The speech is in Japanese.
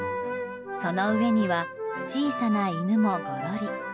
その上には、小さな犬もごろり。